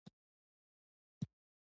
دښتې د افغانستان د اجتماعي جوړښت برخه ده.